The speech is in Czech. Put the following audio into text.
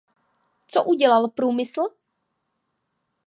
Co udělal průmysl?